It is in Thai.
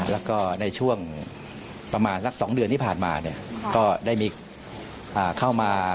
แล้วก็ในช่วงประมาณสัก๒เดือนที่ผ่านมาก็ได้มีเข้ามา